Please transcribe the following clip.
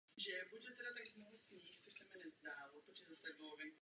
Neexistuje žádný scénář, který by umožnil okamžité stažení mezinárodních sil.